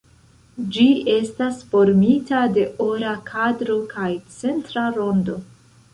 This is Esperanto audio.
Ĝi estas formita de ora kadro kaj centra rondo.